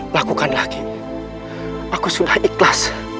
lakukan lagi aku sudah ikhlas